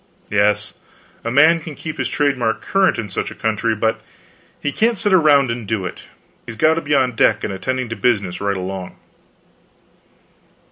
Yes, a man can keep his trademark current in such a country, but he can't sit around and do it; he has got to be on deck and attending to business right along.